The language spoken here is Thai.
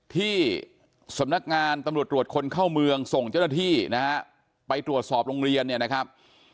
ที่สำนักงานตำรวจตรวจคนเข้าเมืองส่งเจ้าหน้าที่นะฮะไปตรวจสอบโรงเรียนเนี่ยนะครับ